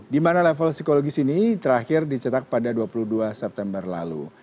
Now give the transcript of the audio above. di mana level psikologis ini terakhir dicetak pada dua puluh dua september lalu